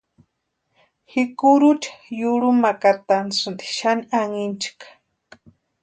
Ji kurucha yurhumakatasïnti xani anhinchakʼa.